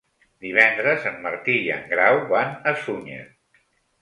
Divendres en Martí i en Grau van a Sunyer.